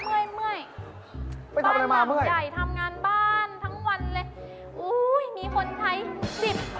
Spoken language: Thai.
นี่เป็นผู้หญิงบ้านหลังนี้หรือครับ